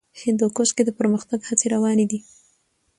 هندوکش کې د پرمختګ هڅې روانې دي.